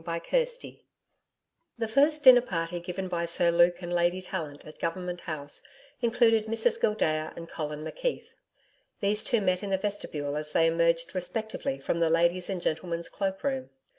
CHAPTER 8 The first dinner party given by Sir Luke and Lady Tallant at Government House included Mrs Gildea and Colin McKeith. These two met in the vestibule as they emerged respectively from the ladies' and gentlemen's cloak room.